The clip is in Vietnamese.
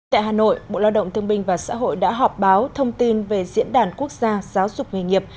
tại hà nội bộ lao động thương minh và xã hội đã họp báo thông tin về diễn đàn quốc gia giáo dục nghề nghiệp